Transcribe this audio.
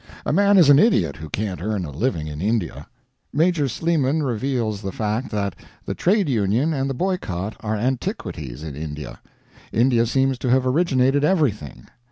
A man is an idiot who can't earn a living in India. Major Sleeman reveals the fact that the trade union and the boycott are antiquities in India. India seems to have originated everything.